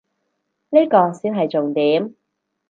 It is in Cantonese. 呢個先係重點